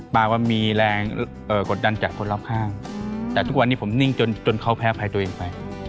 ว่ามีแรงกดดันจากคนรอบข้างแต่ทุกวันนี้ผมนิ่งจนเขาแพ้ภัยตัวเองไป